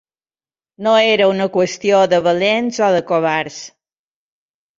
No era una qüestió de valents o de covards.